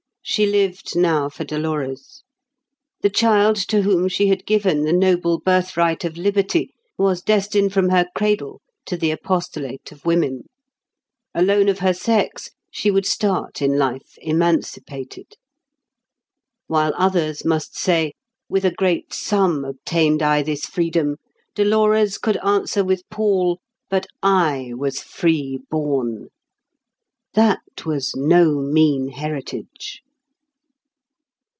She lived now for Dolores. The child to whom she had given the noble birthright of liberty was destined from her cradle to the apostolate of women. Alone of her sex, she would start in life emancipated. While others must say, "With a great sum obtained I this freedom," Dolores could answer with Paul, "But I was free born." That was no mean heritage.